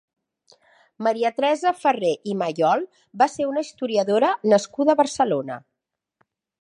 Maria Teresa Ferrer i Mallol va ser una historiadora nascuda a Barcelona.